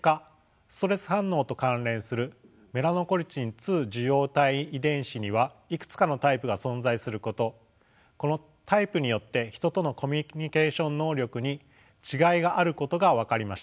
２受容体遺伝子にはいくつかのタイプが存在することこのタイプによってヒトとのコミュニケーション能力に違いがあることが分かりました。